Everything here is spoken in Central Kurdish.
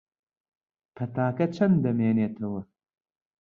پەتاکە چەند دەمێنێتەوە؟